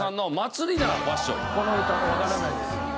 この歌わからないです。